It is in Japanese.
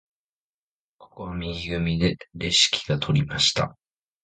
ここは右組でレシキが取りました。